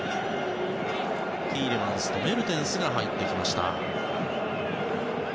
ティーレマンスとメルテンスが入ってきました。